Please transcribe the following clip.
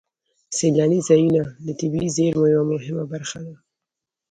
سیلاني ځایونه د طبیعي زیرمو یوه مهمه برخه ده.